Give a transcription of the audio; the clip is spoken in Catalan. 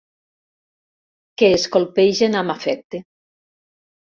Que es colpegen amb afecte.